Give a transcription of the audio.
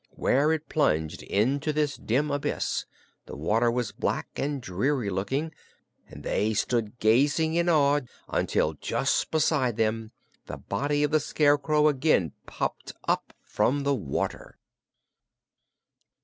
Where it plunged into this dim abyss the river was black and dreary looking, and they stood gazing in awe until just beside them the body of the Scarecrow again popped up from the water.